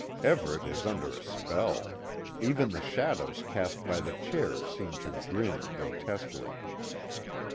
Everet is under a spell. Even the shadows cast by the chairs seem to grin grotesquely.